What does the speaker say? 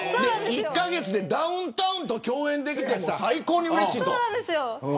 １カ月でダウンタウンと共演できて最高にうれしいと。